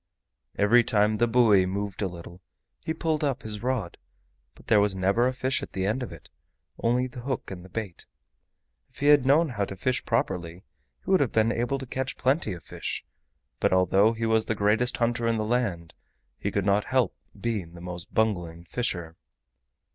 Every time the buoy moved a little he pulled up his rod, but there was never a fish at the end of it, only the hook and the bait. If he had known how to fish properly, he would have been able to catch plenty of fish, but although he was the greatest hunter in the land he could not help being the most bungling fisher.